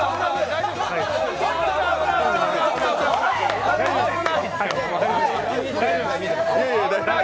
大丈夫？